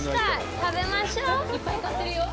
食べましょう。